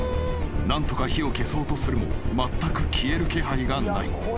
［何とか火を消そうとするもまったく消える気配がない］